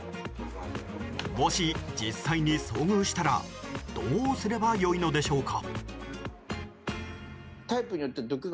もし、実際に遭遇したらどうすれば良いのでしょうか？